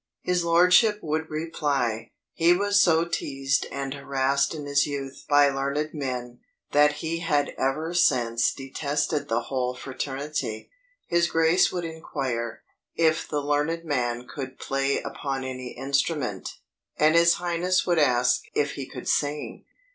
His lordship would reply, "He was so teased and harassed in his youth by learned men, that he had ever since detested the whole fraternity." His grace would inquire, "if the learned man could play upon any instrument." And his highness would ask "if he could sing."